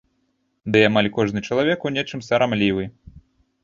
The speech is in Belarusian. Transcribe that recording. Ды і амаль кожны чалавек у нечым сарамлівы.